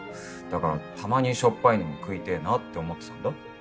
だからたまにしょっぱいのも食いてえなって思ってたんだ。